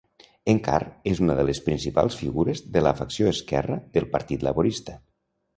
En Carr és una de les principals figures de la facció esquerra del Partit Laborista.